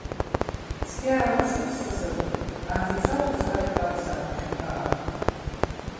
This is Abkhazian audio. Цқьа иаалаԥшықәысҵазар, анҭ ицәажәоз рахьтә акәзаап иахьынтәаауа!